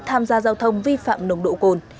tham gia giao thông vi phạm nồng độ cồn